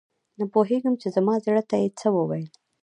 نه پوهیږم چې زما زړه ته یې څه وویل؟